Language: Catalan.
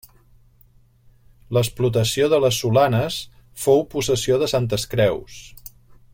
L'explotació de les Solanes fou possessió de Santes Creus.